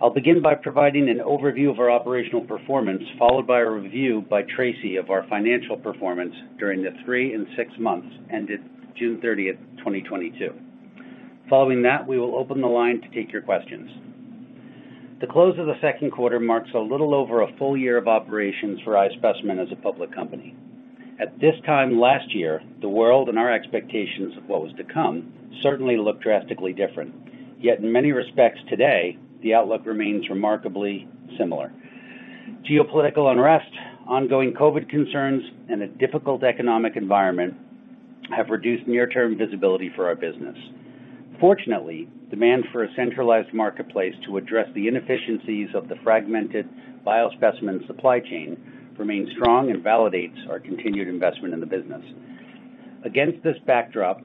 I'll begin by providing an overview of our operational performance, followed by a review by Tracy of our financial performance during the three months and six months ended June 30th, 2022. Following that, we will open the line to take your questions. The close of the second quarter marks a little over a full year of operations for iSpecimen as a public company. At this time last year, the world and our expectations of what was to come certainly looked drastically different. Yet in many respects today, the outlook remains remarkably similar. Geopolitical unrest, ongoing COVID concerns, and a difficult economic environment have reduced near-term visibility for our business. Fortunately, demand for a centralized marketplace to address the inefficiencies of the fragmented biospecimen supply chain remains strong and validates our continued investment in the business. Against this backdrop,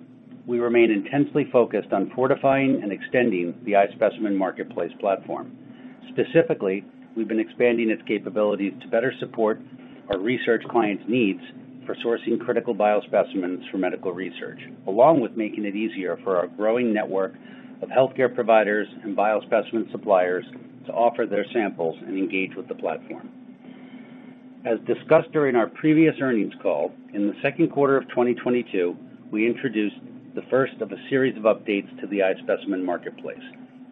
we remain intensely focused on fortifying and extending the iSpecimen Marketplace platform. Specifically, we've been expanding its capabilities to better support our research clients' needs for sourcing critical biospecimens for medical research, along with making it easier for our growing network of healthcare providers and biospecimen suppliers to offer their samples and engage with the platform. As discussed during our previous earnings call, in the second quarter of 2022, we introduced the first of a series of updates to the iSpecimen Marketplace,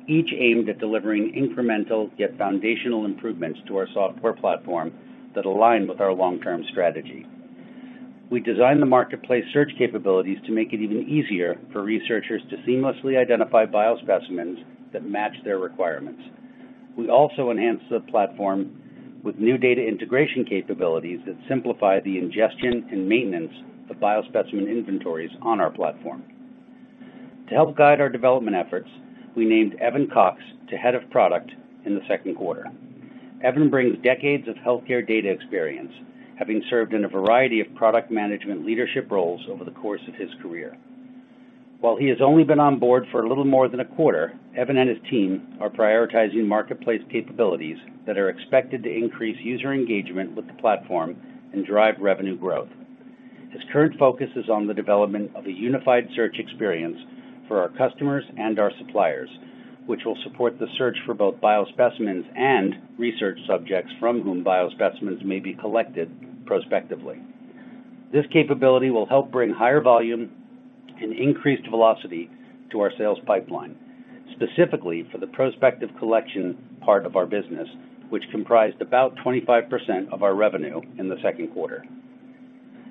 each aimed at delivering incremental yet foundational improvements to our software platform that align with our long-term strategy. We designed the marketplace search capabilities to make it even easier for researchers to seamlessly identify biospecimens that match their requirements. We also enhanced the platform with new data integration capabilities that simplify the ingestion and maintenance of biospecimen inventories on our platform. To help guide our development efforts, we named Evan Cox to Head of Product in the second quarter. Evan brings decades of healthcare data experience, having served in a variety of product management leadership roles over the course of his career. While he has only been on board for a little more than a quarter, Evan and his team are prioritizing marketplace capabilities that are expected to increase user engagement with the platform and drive revenue growth. His current focus is on the development of a unified search experience for our customers and our suppliers, which will support the search for both biospecimens and research subjects from whom biospecimens may be collected prospectively. This capability will help bring higher volume and increased velocity to our sales pipeline, specifically for the prospective collection part of our business, which comprised about 25% of our revenue in the second quarter.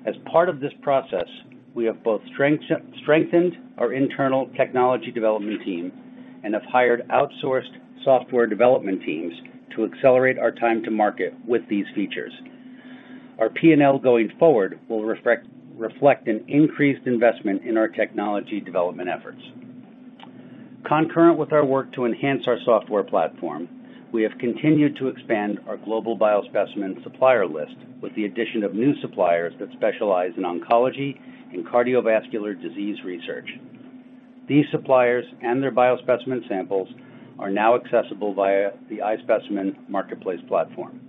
As part of this process, we have both strengthened our internal technology development team and have hired outsourced software development teams to accelerate our time to market with these features. Our P&L going forward will reflect an increased investment in our technology development efforts. Concurrent with our work to enhance our software platform, we have continued to expand our global biospecimen supplier list with the addition of new suppliers that specialize in oncology and cardiovascular disease research. These suppliers and their biospecimen samples are now accessible via the iSpecimen Marketplace platform.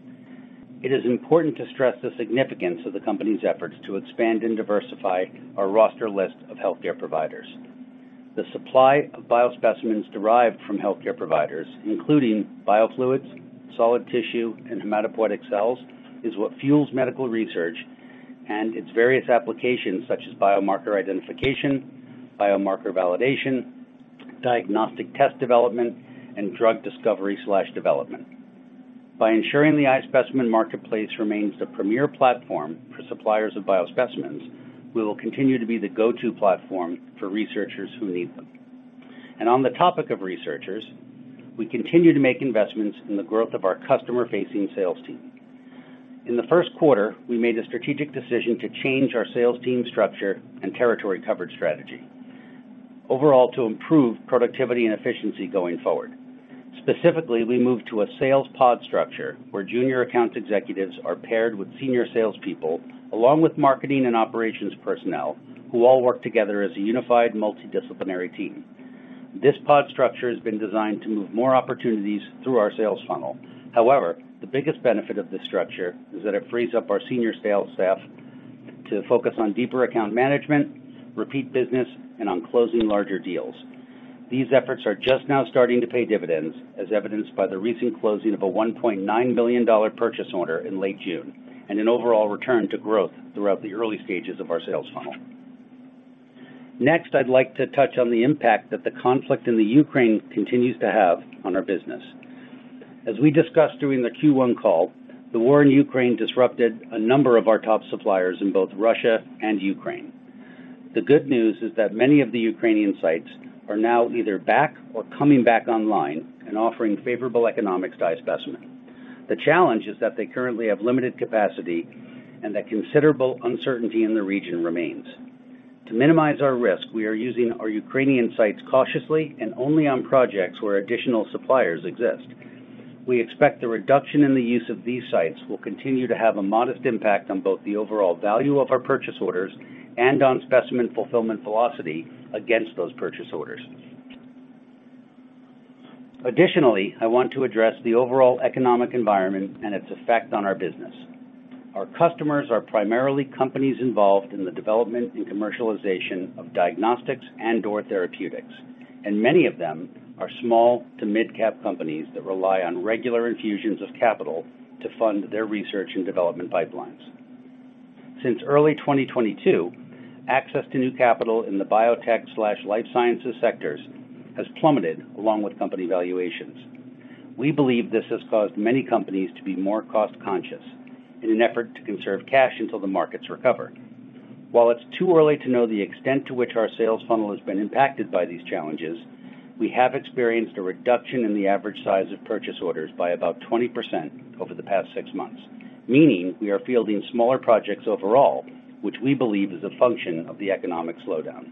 It is important to stress the significance of the company's efforts to expand and diversify our roster list of healthcare providers. The supply of biospecimens derived from healthcare providers, including biofluids, solid tissue, and hematopoietic cells, is what fuels medical research and its various applications such as biomarker identification, biomarker validation, diagnostic test development, and drug discovery/development. By ensuring the iSpecimen Marketplace remains the premier platform for suppliers of biospecimens, we will continue to be the go-to platform for researchers who need them. On the topic of researchers, we continue to make investments in the growth of our customer-facing sales team. In the first quarter, we made a strategic decision to change our sales team structure and territory coverage strategy, overall to improve productivity and efficiency going forward. Specifically, we moved to a sales pod structure where junior account executives are paired with senior salespeople, along with marketing and operations personnel who all work together as a unified multidisciplinary team. This pod structure has been designed to move more opportunities through our sales funnel. However, the biggest benefit of this structure is that it frees up our senior sales staff to focus on deeper account management, repeat business, and on closing larger deals. These efforts are just now starting to pay dividends, as evidenced by the recent closing of a $1.9 billion purchase order in late June and an overall return to growth throughout the early stages of our sales funnel. Next, I'd like to touch on the impact that the conflict in the Ukraine continues to have on our business. As we discussed during the Q1 call, the war in Ukraine disrupted a number of our top suppliers in both Russia and Ukraine. The good news is that many of the Ukrainian sites are now either back or coming back online and offering favorable economics to iSpecimen. The challenge is that they currently have limited capacity and that considerable uncertainty in the region remains. To minimize our risk, we are using our Ukrainian sites cautiously and only on projects where additional suppliers exist. We expect the reduction in the use of these sites will continue to have a modest impact on both the overall value of our purchase orders and on specimen fulfillment velocity against those purchase orders. Additionally, I want to address the overall economic environment and its effect on our business. Our customers are primarily companies involved in the development and commercialization of diagnostics and or therapeutics, and many of them are small to mid-cap companies that rely on regular infusions of capital to fund their research and development pipelines. Since early 2022, access to new capital in the biotech/life sciences sectors has plummeted along with company valuations. We believe this has caused many companies to be more cost conscious in an effort to conserve cash until the markets recover. While it's too early to know the extent to which our sales funnel has been impacted by these challenges, we have experienced a reduction in the average size of purchase orders by about 20% over the past six months, meaning we are fielding smaller projects overall, which we believe is a function of the economic slowdown.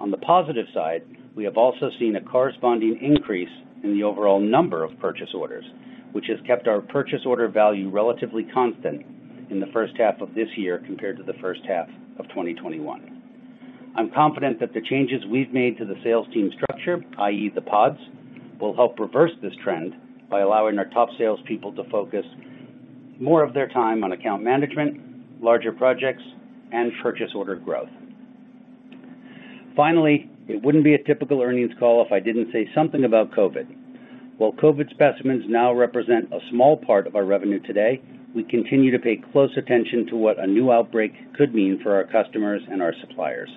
On the positive side, we have also seen a corresponding increase in the overall number of purchase orders, which has kept our purchase order value relatively constant in the first half of this year compared to the first half of 2021. I'm confident that the changes we've made to the sales team structure, i.e. the pods, will help reverse this trend by allowing our top salespeople to focus more of their time on account management, larger projects and purchase order growth. Finally, it wouldn't be a typical earnings call if I didn't say something about COVID. While COVID specimens now represent a small part of our revenue today, we continue to pay close attention to what a new outbreak could mean for our customers and our suppliers.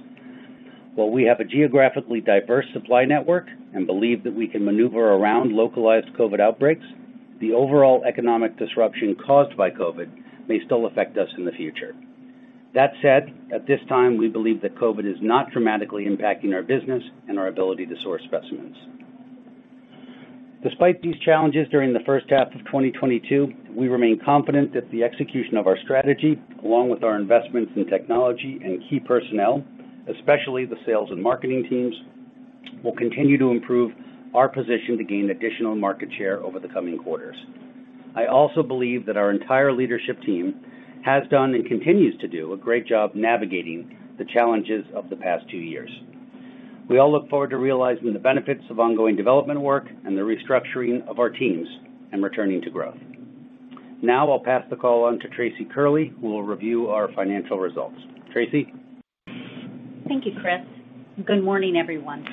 While we have a geographically diverse supply network and believe that we can maneuver around localized COVID outbreaks, the overall economic disruption caused by COVID may still affect us in the future. That said, at this time, we believe that COVID is not dramatically impacting our business and our ability to source specimens. Despite these challenges during the first half of 2022, we remain confident that the execution of our strategy, along with our investments in technology and key personnel, especially the sales and marketing teams, will continue to improve our position to gain additional market share over the coming quarters. I also believe that our entire leadership team has done and continues to do a great job navigating the challenges of the past two years. We all look forward to realizing the benefits of ongoing development work and the restructuring of our teams and returning to growth. Now I'll pass the call on to Tracy Curley, who will review our financial results. Tracy? Thank you, Chris. Good morning, everyone.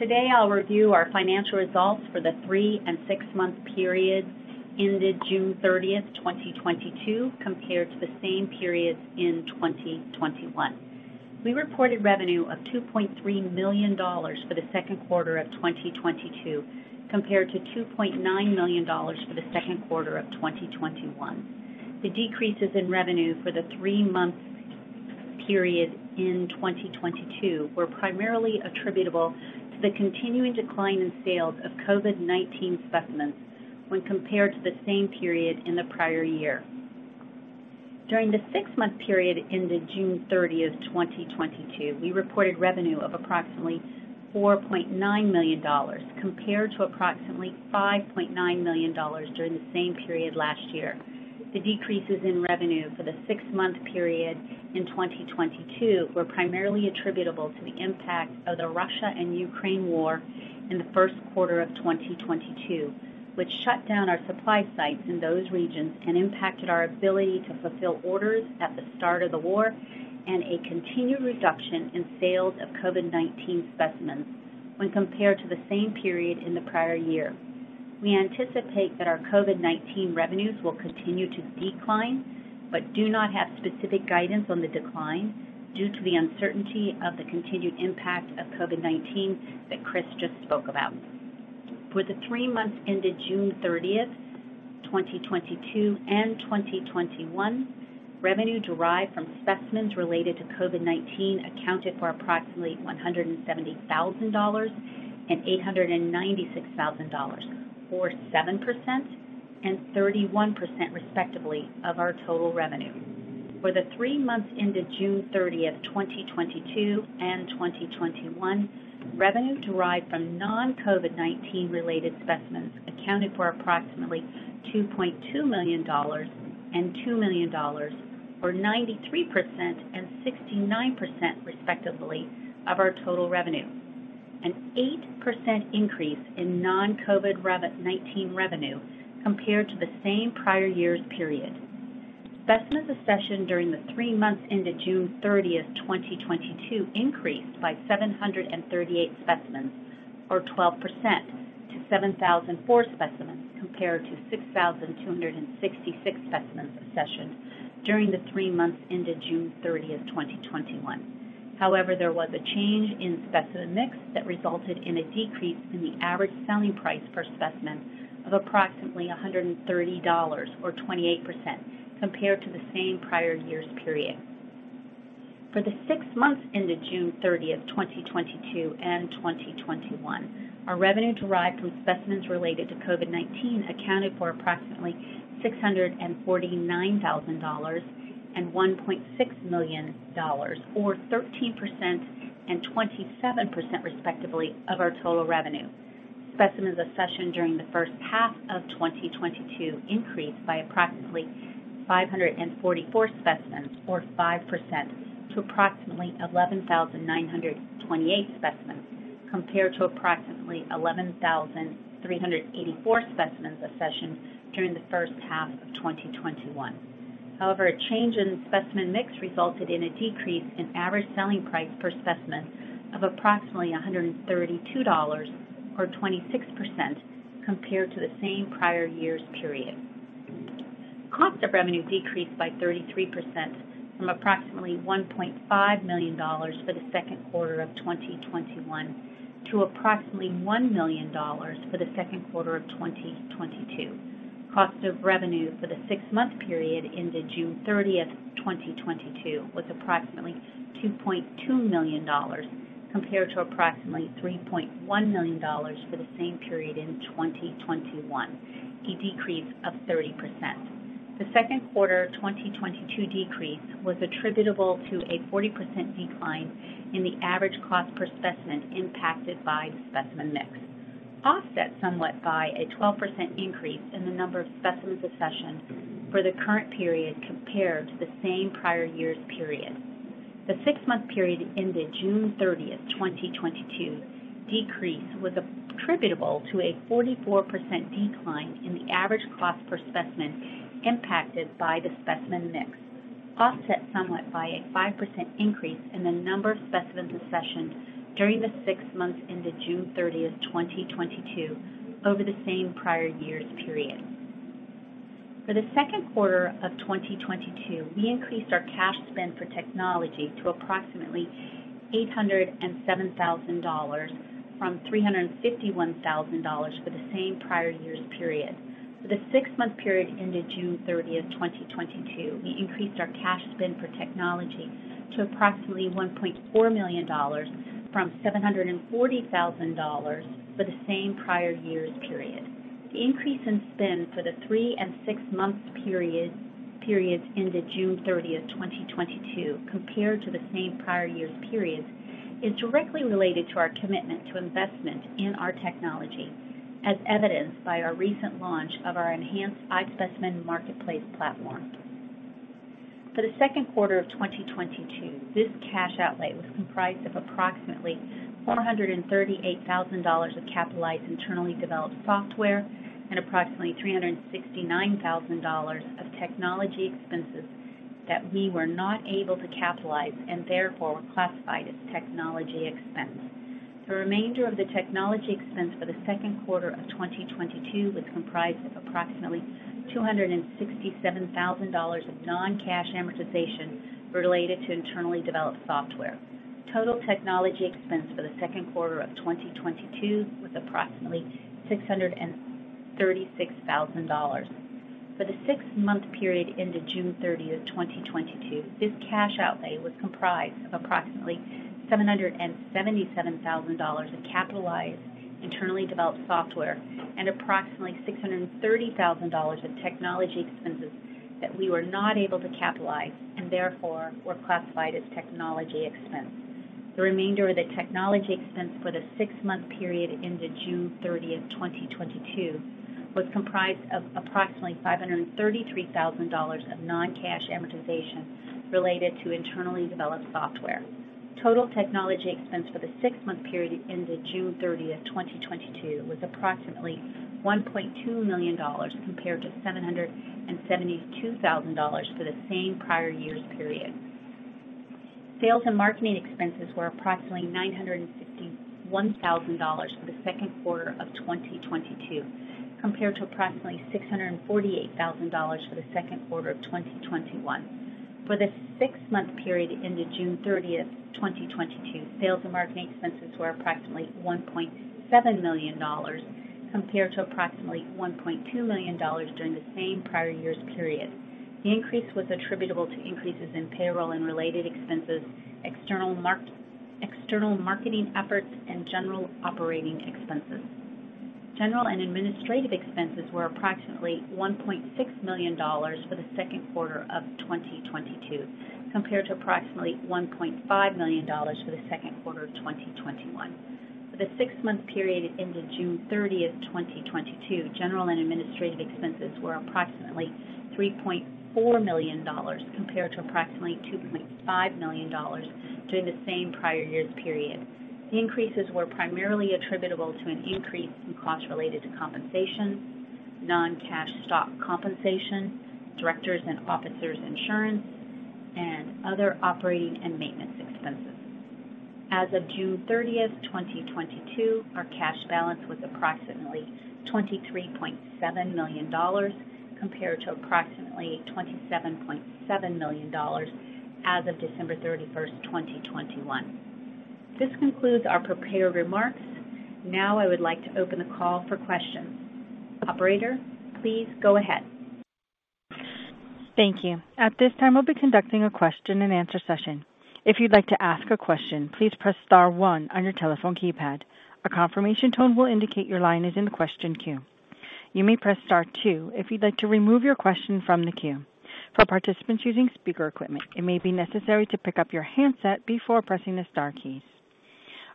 Today, I'll review our financial results for the three and six-month period ended June 30, 2022, compared to the same period in 2021. We reported revenue of $2.3 million for the second quarter of 2022, compared to $2.9 million for the second quarter of 2021. The decreases in revenue for the three-month period in 2022 were primarily attributable to the continuing decline in sales of COVID-19 specimens when compared to the same period in the prior year. During the six-month period ended June 30, 2022, we reported revenue of approximately $4.9 million compared to approximately $5.9 million during the same period last year. The decreases in revenue for the six-month period in 2022 were primarily attributable to the impact of the Russia and Ukraine war in the first quarter of 2022, which shut down our supply sites in those regions and impacted our ability to fulfill orders at the start of the war, and a continued reduction in sales of COVID-19 specimens when compared to the same period in the prior year. We anticipate that our COVID-19 revenues will continue to decline, but do not have specific guidance on the decline due to the uncertainty of the continued impact of COVID-19 that Chris just spoke about. For the three months ended June 30th, 2022 and 2021, revenue derived from specimens related to COVID-19 accounted for approximately $170,000 and $896,000, or 7% and 31%, respectively, of our total revenue. For the three months ended June 30, 2022 and 2021, revenue derived from non-COVID-19-related specimens accounted for approximately $2.2 million and $2 million, or 93% and 69%, respectively, of our total revenue, an 8% increase in non-COVID-19 revenue compared to the same prior year's period. Specimens accessioned during the three months ended June 30th, 2022 increased by 738 specimens, or 12%, - 7,004 specimens, compared to 6,266 specimens accessioned during the three months ended June 30th, 2021. However, there was a change in specimen mix that resulted in a decrease in the average selling price per specimen of approximately $130, or 28%, compared to the same prior year's period. For the six months ended June 30th, 2022 and 2021, our revenue derived from specimens related to COVID-19 accounted for approximately $649,000 and $1.6 million, or 13% and 27%, respectively, of our total revenue. Specimens accessioned during the first half of 2022 increased by approximately 544 specimens, or 5%, to approximately 11,928 specimens, compared to approximately 11,384 specimens accessioned during the first half of 2021. However, a change in specimen mix resulted in a decrease in average selling price per specimen of approximately $132, or 26% compared to the same prior year's period. Cost of revenue decreased by 33% from approximately $1.5 million for the second quarter of 2021 to approximately $1 million for the second quarter of 2022. Cost of revenue for the six-month period ended June 30th, 2022 was approximately $2.2 million compared to approximately $3.1 million for the same period in 2021, a decrease of 30%. The second quarter of 2022 decrease was attributable to a 40% decline in the average cost per specimen impacted by specimen mix, offset somewhat by a 12% increase in the number of specimens accessioned for the current period compared to the same prior year's period. The six-month period ended June 30th, 2022. Decrease was attributable to a 44% decline in the average cost per specimen impacted by the specimen mix, offset somewhat by a 5% increase in the number of specimens accessioned during the six months ended June 30, 2022 over the same prior year's period. For the second quarter of 2022, we increased our cash spend for technology to approximately $807,000 from $351,000 for the same prior year's period. For the six-month period ended June thirtieth, 2022, we increased our cash spend for technology to approximately $1.4 million from $740,000 for the same prior year's period. The increase in spend for the three- and six-month periods ended June thirtieth, 2022 compared to the same prior year's periods is directly related to our commitment to investment in our technology, as evidenced by our recent launch of our enhanced iSpecimen Marketplace platform. For the second quarter of 2022, this cash outlay was comprised of approximately $438,000 of capitalized internally developed software and approximately of technology expenses that we were not able to capitalize and therefore were classified as technology expense. The remainder of the technology expense for the second quarter of 2022 was comprised of approximately $267,000 of non-cash amortization related to internally developed software. Total technology expense for the second quarter of 2022 was approximately $636,000. For the six-month period ended June 30th, 2022, this cash outlay was comprised of approximately $777,000 of capitalized internally developed software and approximately $630,000 of technology expenses that we were not able to capitalize and therefore were classified as technology expense. The remainder of the technology expense for the six-month period ended June 30, 2022, was comprised of approximately $533,000 of non-cash amortization related to internally developed software. Total technology expense for the six-month period ended June 30, 2022 was approximately $1.2 million compared to $772,000 for the same prior year's period. Sales and marketing expenses were approximately $951,000 for the second quarter of 2022, compared to approximately $648,000 for the second quarter of 2021. For the six-month period ended June 30th, 2022, sales and marketing expenses were approximately $1.7 million compared to approximately $1.2 million during the same prior year's period. The increase was attributable to increases in payroll and related expenses, external marketing efforts, and general operating expenses. General and administrative expenses were approximately $1.6 million for the second quarter of 2022, compared to approximately $1.5 million for the second quarter of 2021. For the six-month period ended June 30th, 2022, general and administrative expenses were approximately $3.4 million compared to approximately $2.5 million during the same prior year's period. The increases were primarily attributable to an increase in costs related to compensation, non-cash stock compensation, directors and officers insurance, and other operating and maintenance expenses. As of June 30th, 2022, our cash balance was approximately $23.7 million compared to approximately $27.7 million as of December 31st, 2021. This concludes our prepared remarks. Now I would like to open the call for questions. Operator, please go ahead. Thank you. At this time, we'll be conducting a question-and-answer session. If you'd like to ask a question, please press star one on your telephone keypad. A confirmation tone will indicate your line is in the question queue. You may press star two if you'd like to remove your question from the queue. For participants using speaker equipment, it may be necessary to pick up your handset before pressing the star keys.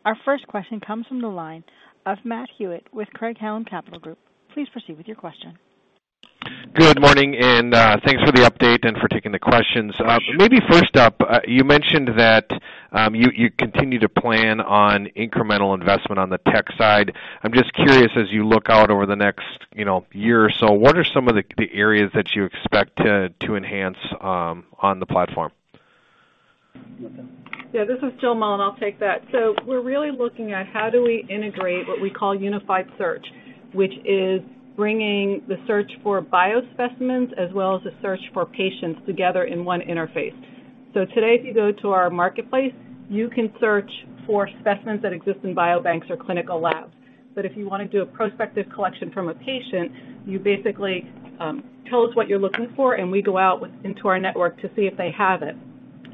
Our first question comes from the line of Matt Hewitt with Craig-Hallum Capital Group. Please proceed with your question. Good morning, and thanks for the update and for taking the questions. Pleasure. Maybe first up, you mentioned that you continue to plan on incremental investment on the tech side. I'm just curious, as you look out over the next, you know, year or so, what are some of the areas that you expect to enhance on the platform? Yeah, this is Jill Mullan, I'll take that. We're really looking at how do we integrate what we call unified search, which is bringing the search for biospecimens as well as the search for patients together in one interface. Today, if you go to our marketplace, you can search for specimens that exist in biobanks or clinical labs. If you wanna do a prospective collection from a patient, you basically tell us what you're looking for, and we go out into our network to see if they have it.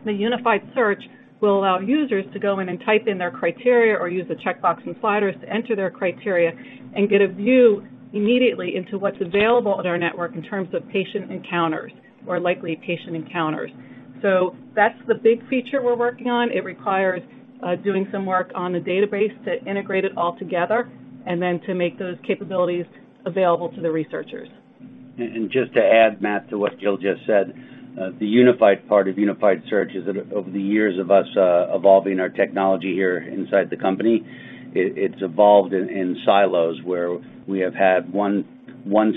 The unified search will allow users to go in and type in their criteria or use the checkbox and sliders to enter their criteria and get a view immediately into what's available at our network in terms of patient encounters or likely patient encounters. That's the big feature we're working on. It requires doing some work on the database to integrate it all together and then to make those capabilities available to the researchers. Just to add, Matt, to what Jill just said, the unified part of unified search is that over the years of us evolving our technology here inside the company, it's evolved in silos where we have had one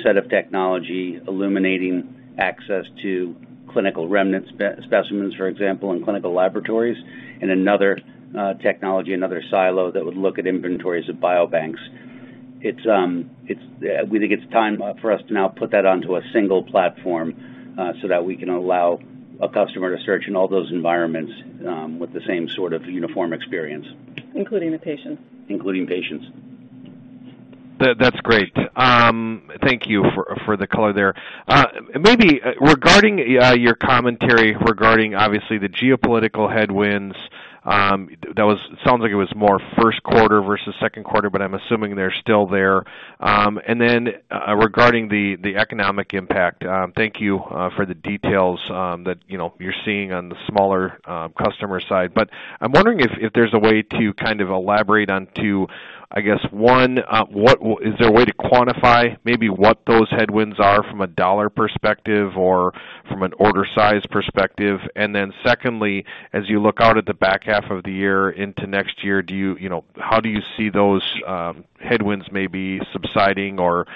set of technology illuminating access to clinical remnant specimens, for example, in clinical laboratories, and another technology, another silo that would look at inventories of biobanks. It's time for us to now put that onto a single platform so that we can allow a customer to search in all those environments with the same sort of uniform experience. Including the patients. Including patients. That's great. Thank you for the color there. Maybe regarding your commentary regarding obviously the geopolitical headwinds, that was. It sounds like it was more first quarter versus second quarter, but I'm assuming they're still there. And then regarding the economic impact, thank you for the details that you know, you're seeing on the smaller customer side. I'm wondering if there's a way to kind of elaborate onto, I guess, one, what is there a way to quantify maybe what those headwinds are from a dollar perspective or from an order size perspective? And then secondly, as you look out at the back half of the year into next year, do you know. How do you see those headwinds maybe subsiding or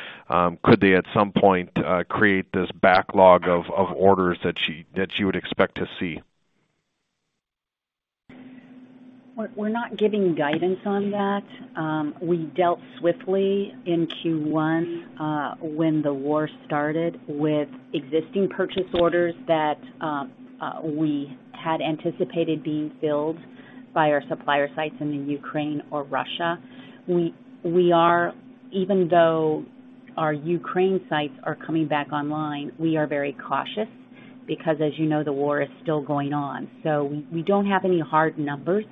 could they at some point create this backlog of orders that she would expect to see? We're not giving guidance on that. We dealt swiftly in Q1 when the war started with existing purchase orders that we had anticipated being filled by our supplier sites in the Ukraine or Russia. Even though our Ukraine sites are coming back online, we are very cautious because as you know, the war is still going on. We don't have any hard numbers,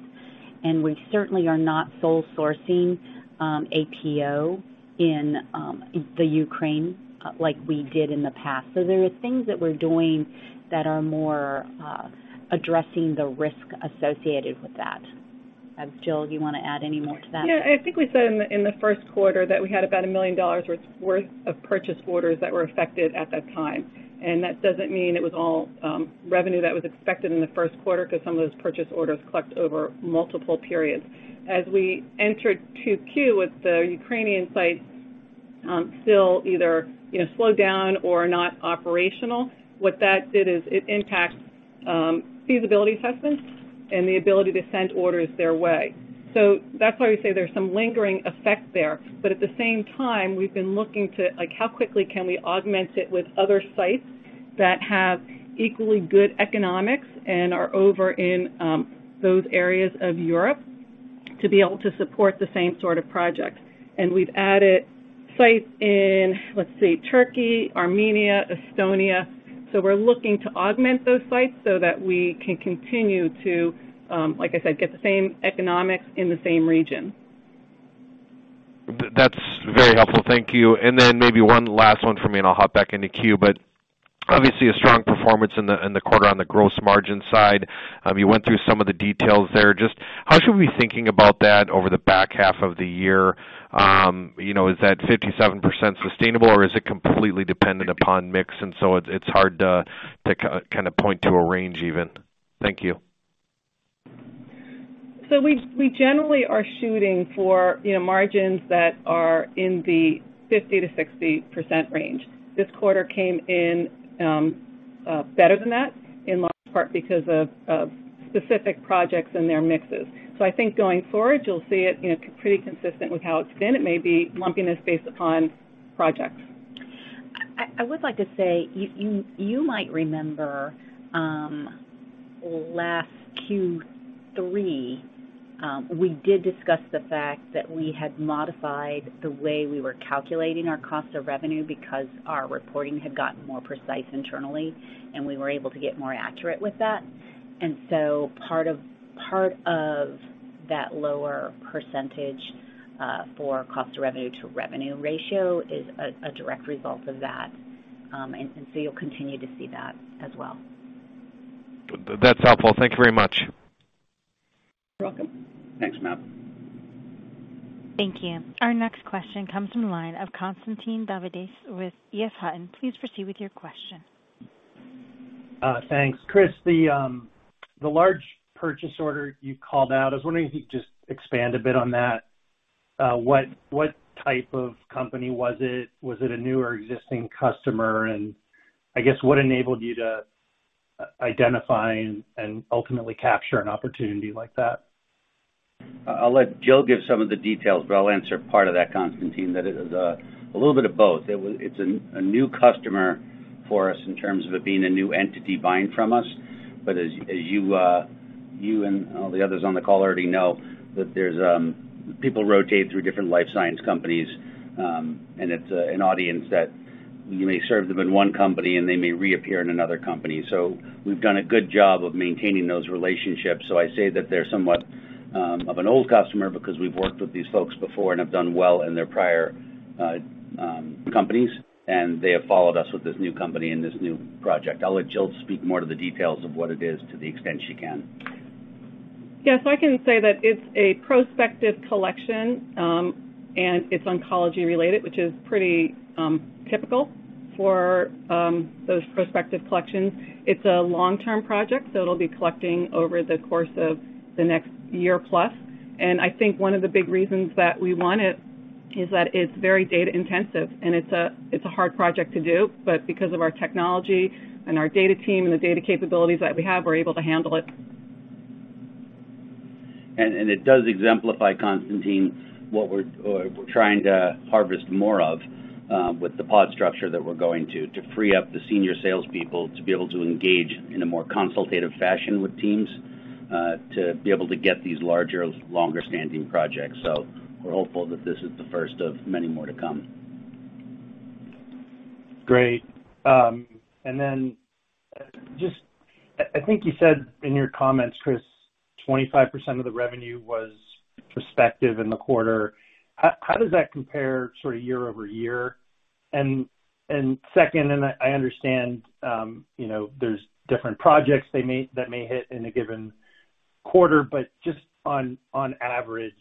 and we certainly are not sole sourcing a PO in the Ukraine like we did in the past. There are things that we're doing that are more addressing the risk associated with that. Jill, do you wanna add any more to that? Yeah. I think we said in the first quarter that we had about $1 million worth of purchase orders that were affected at that time. That doesn't mean it was all revenue that was expected in the first quarter 'cause some of those purchase orders collect over multiple periods. As we entered 2Q with the Ukrainian sites still either you know slowed down or not operational, what that did is it impacts feasibility assessments and the ability to send orders their way. That's why we say there's some lingering effect there. At the same time, we've been looking to like how quickly can we augment it with other sites that have equally good economics and are over in those areas of Europe to be able to support the same sort of projects. We've added sites in, let's see, Turkey, Armenia, Estonia. We're looking to augment those sites so that we can continue to, like I said, get the same economics in the same region. That's very helpful. Thank you. Then maybe one last one for me, and I'll hop back into queue. Obviously a strong performance in the quarter on the gross margin side. You went through some of the details there. Just how should we be thinking about that over the back half of the year? You know, is that 57% sustainable or is it completely dependent upon mix and so it's hard to kinda point to a range even? Thank you. We generally are shooting for, you know, margins that are in the 50%-60% range. This quarter came in better than that in large part because of specific projects and their mixes. I think going forward you'll see it, you know, pretty consistent with how it's been. It may be lumpiness based upon projects. I would like to say you might remember last Q3 we did discuss the fact that we had modified the way we were calculating our cost of revenue because our reporting had gotten more precise internally, and we were able to get more accurate with that. Part of that lower percentage for cost of revenue to revenue ratio is a direct result of that. You'll continue to see that as well. That's helpful. Thank you very much. You're welcome. Thanks, Matt. Thank you. Our next question comes from the line of Constantine Davides with EF Hutton. Please proceed with your question. Thanks. Chris, the large purchase order you called out, I was wondering if you could just expand a bit on that. What type of company was it? Was it a new or existing customer? I guess what enabled you to identify and ultimately capture an opportunity like that? I'll let Jill give some of the details, but I'll answer part of that, Constantine, that it is a little bit of both. It's a new customer for us in terms of it being a new entity buying from us. As you and all the others on the call already know that there's people rotate through different life science companies, and it's an audience that you may serve them in one company, and they may reappear in another company. We've done a good job of maintaining those relationships. I say that they're somewhat of an old customer because we've worked with these folks before and have done well in their prior companies, and they have followed us with this new company and this new project. I'll let Jill speak more to the details of what it is to the extent she can. Yes, I can say that it's a prospective collection, and it's oncology-related, which is pretty typical for those prospective collections. It's a long-term project, so it'll be collecting over the course of the next year plus. I think one of the big reasons that we want it is that it's very data intensive and it's a hard project to do, but because of our technology and our data team and the data capabilities that we have, we're able to handle it. It does exemplify, Constantine, what we're trying to harvest more of with the pod structure that we're going to free up the senior salespeople to be able to engage in a more consultative fashion with teams to be able to get these larger, longer-standing projects. We're hopeful that this is the first of many more to come. Great. And then just, I think you said in your comments, Chris, 25% of the revenue was prospective in the quarter. How does that compare sort of year-over-year? And second, I understand, you know, there's different projects that may hit in a given quarter, but just on average,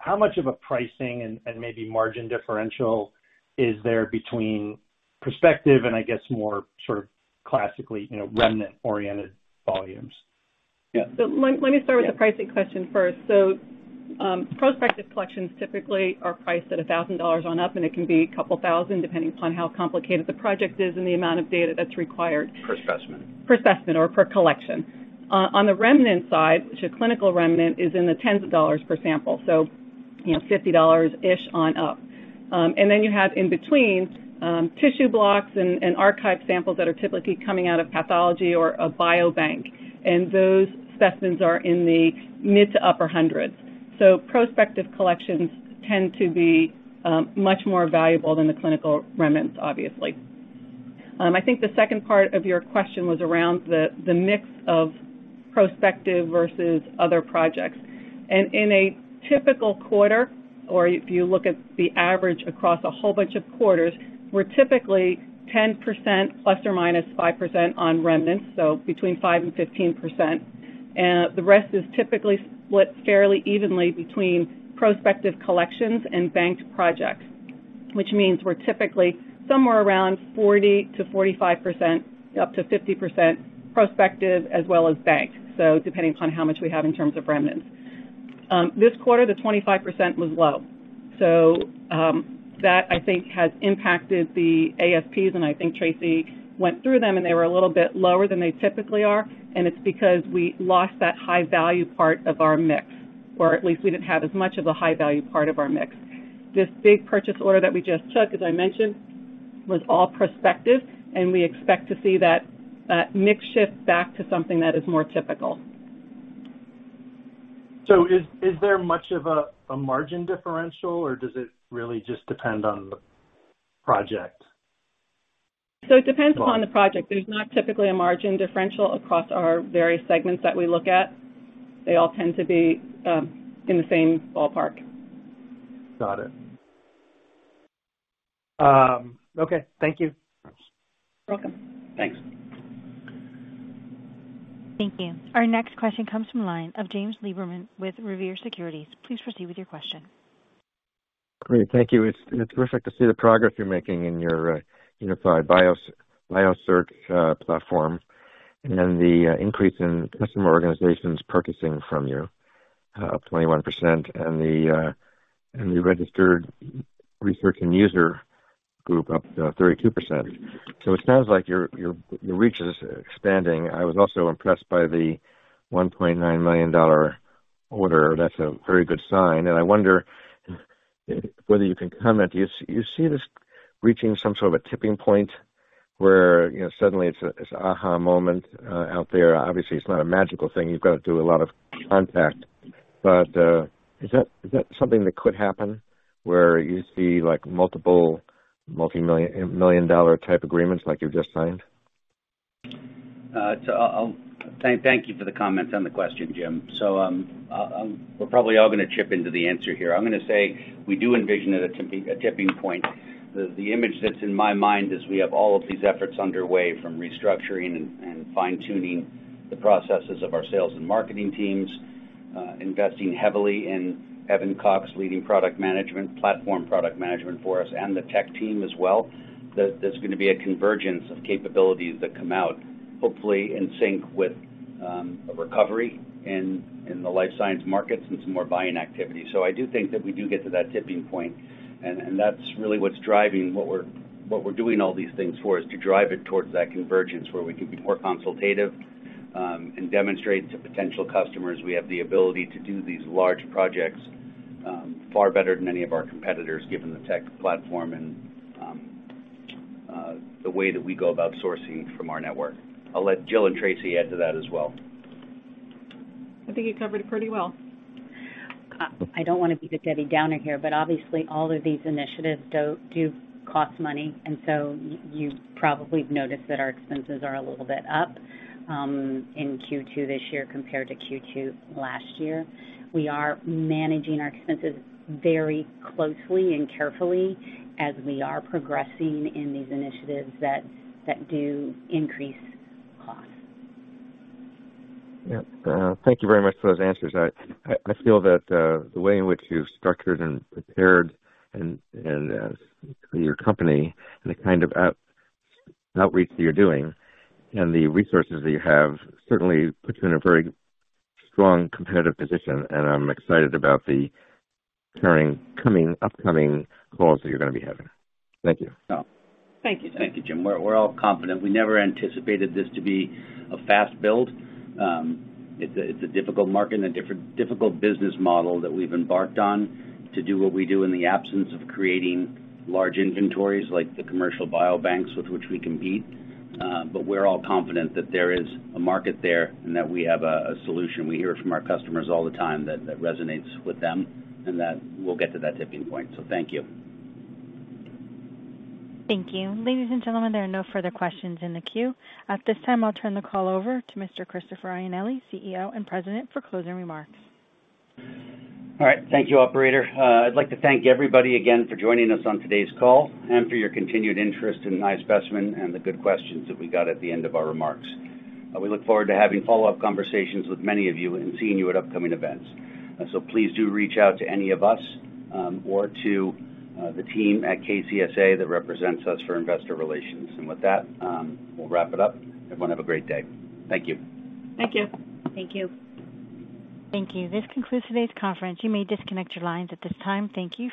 how much of a pricing and maybe margin differential is there between prospective and I guess more sort of classically, you know, remnant-oriented volumes? Yeah. Let me start with the pricing question first. Prospective collections typically are priced at $1,000 on up, and it can be $2,000, depending upon how complicated the project is and the amount of data that's required. Per specimen. Per specimen or per collection. On the remnant side, which a clinical remnant is in the tens of dollars per sample, so, you know, $50-ish on up. And then you have in between, tissue blocks and archive samples that are typically coming out of pathology or a biobank, and those specimens are in the mid- to upper hundreds. Prospective collections tend to be much more valuable than the clinical remnants, obviously. I think the second part of your question was around the mix of prospective versus other projects. In a typical quarter, or if you look at the average across a whole bunch of quarters, we're typically 10% ±5% on remnants, so between 5% and 15%. The rest is typically split fairly evenly between prospective collections and banked projects, which means we're typically somewhere around 40%-45%, up to 50% prospective as well as banked, so depending upon how much we have in terms of remnants. This quarter, the 25% was low. That I think has impacted the ASPs, and I think Tracy went through them, and they were a little bit lower than they typically are, and it's because we lost that high value part of our mix, or at least we didn't have as much of a high value part of our mix. This big purchase order that we just took, as I mentioned, was all prospective, and we expect to see that mix shift back to something that is more typical. Is there much of a margin differential, or does it really just depend on the project? It depends upon the project. There's not typically a margin differential across our various segments that we look at. They all tend to be in the same ballpark. Got it. Okay. Thank you. Welcome. Thanks. Thank you. Our next question comes from the line of James Liberman with Revere Securities. Please proceed with your question. Great. Thank you. It's terrific to see the progress you're making in your unified search platform and the increase in customer organizations purchasing from you up 21% and the registered research and user group up to 32%. It sounds like your reach is expanding. I was also impressed by the $1.9 million order. That's a very good sign. I wonder if whether you can comment. Do you see this reaching some sort of a tipping point where you know suddenly it's this aha moment out there? Obviously, it's not a magical thing. You've got to do a lot of contact. Is that something that could happen, where you see like multiple multi-million-dollar type agreements like you've just signed? Thank you for the comments and the question, Jim. We're probably all gonna chip into the answer here. I'm gonna say we do envision it a tipping point. The image that's in my mind is we have all of these efforts underway from restructuring and fine-tuning the processes of our sales and marketing teams, investing heavily in Evan Cox leading product management, platform product management for us and the tech team as well. There's gonna be a convergence of capabilities that come out, hopefully in sync with a recovery in the life science markets and some more buying activity. I do think that we do get to that tipping point, and that's really what's driving what we're doing all these things for, is to drive it towards that convergence where we can be more consultative, and demonstrate to potential customers we have the ability to do these large projects, far better than any of our competitors, given the tech platform and, the way that we go about sourcing from our network. I'll let Jill and Tracy add to that as well. I think you covered it pretty well. I don't wanna be the Debbie Downer here, but obviously all of these initiatives do cost money, and so you probably have noticed that our expenses are a little bit up in Q2 this year compared to Q2 last year. We are managing our expenses very closely and carefully as we are progressing in these initiatives that do increase costs. Yep. Thank you very much for those answers. I feel that the way in which you've structured and prepared and your company and the kind of outreach that you're doing and the resources that you have certainly puts you in a very strong competitive position, and I'm excited about the upcoming calls that you're gonna be having. Thank you. Oh. Thank you. Thank you, Jim. We're all confident. We never anticipated this to be a fast build. It's a difficult market and a different, difficult business model that we've embarked on to do what we do in the absence of creating large inventories like the commercial biobanks with which we compete. But we're all confident that there is a market there and that we have a solution. We hear it from our customers all the time that resonates with them, and that we'll get to that tipping point. Thank you. Thank you. Ladies and gentlemen, there are no further questions in the queue. At this time, I'll turn the call over to Mr. Christopher Ianelli, CEO and President, for closing remarks. All right. Thank you, operator. I'd like to thank everybody again for joining us on today's call and for your continued interest in iSpecimen and the good questions that we got at the end of our remarks. We look forward to having follow-up conversations with many of you and seeing you at upcoming events. Please do reach out to any of us, or to the team at KCSA that represents us for investor relations. With that, we'll wrap it up. Everyone have a great day. Thank you. Thank you. Thank you. Thank you. This concludes today's conference. You may disconnect your lines at this time. Thank you for your participation.